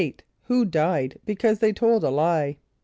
= Who died because they told a lie?